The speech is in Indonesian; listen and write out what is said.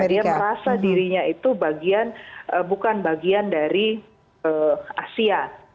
dia merasa dirinya itu bagian bukan bagian dari asia